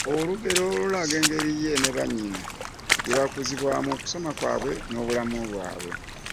Olugero lulaga engeri ye ne banne (bannyina) gye baakuzibwamu, okusoma kwabwe n’obulamu bwabwe.